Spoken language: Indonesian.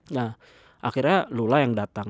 nah akhirnya lula yang datang